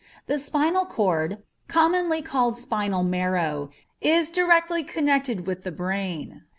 The spinal cord, commonly called spinal marrow, is directly connected with the brain.